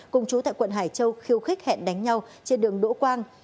cùng chú tại quận hải châu khiêu khích hẹn đánh nhau trên đường đỗ quang